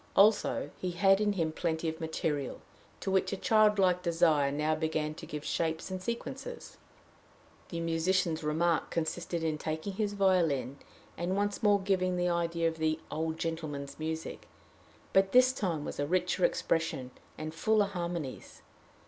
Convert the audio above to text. Also he had in him plenty of material, to which a childlike desire now began to give shapes and sequences. The musician's remark consisted in taking his violin, and once more giving his idea of the "old gentleman's" music, but this time with a richer expression and fuller harmonies.